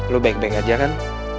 lo baik baik aja kan